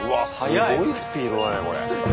すごいスピードだねこれ。